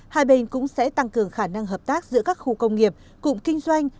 hai bên cũng sẽ tăng cường khả năng hợp tác giữa các khu công nghiệp cụm kinh doanh